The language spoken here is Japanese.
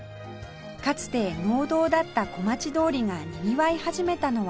かつて農道だった小町通りがにぎわい始めたのは戦後の事